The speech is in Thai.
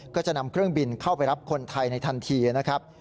ก็จะนำเครื่องบินเข้าไปรับคนไทยในทันทีนะครับ